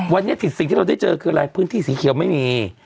วันนี้สิ่งที่เราได้เจอคืออะไรพื้นที่สีเขียวไม่มี